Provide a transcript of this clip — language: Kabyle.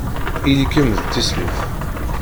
Ili-kem d tislit.